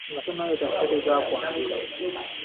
Nga tonaleeta ssente za kwanjula.